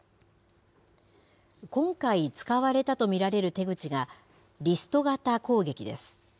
今回使われたと見られる手口が、リスト型攻撃です。